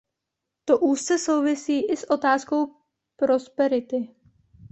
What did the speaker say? To úzce souvisí i s otázkou prosperity.